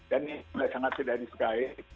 dan ini tidak sangat tidak disekai